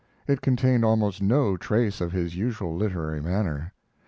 It contained almost no trace of his usual literary manner.